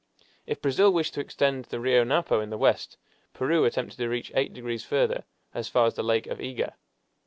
If Brazil wished to extend to the Rio Napo in the west, Peru attempted to reach eight degrees further, as far as the Lake of Ega.